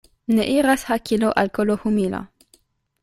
Ne iras hakilo al kolo humila.